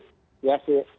seperti yang tadi dikatakan